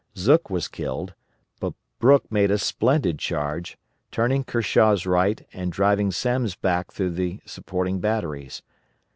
Zook was killed, but Brooke made a splendid charge, turning Kershaw's right and driving Semmes back through the supporting batteries.